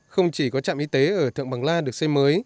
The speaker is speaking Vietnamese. không chỉ có trạm y tế ở thượng bằng la được xây mới